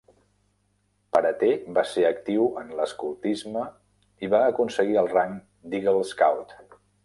Parater va ser actiu en l'escoltisme, i va aconseguir el rang de Eagle Scout.